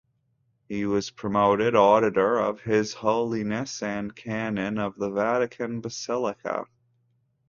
He was promoted Auditor of His Holiness and Canon of the Vatican Basilica.